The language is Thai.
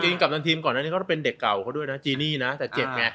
กัปตันทีมก่อนอันนี้เขาเป็นเด็กเก่าเขาด้วยนะจีนี่นะแต่เจ็บไง